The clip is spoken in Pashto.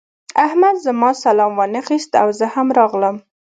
احمد زما سلام وانخيست او زه هم راغلم.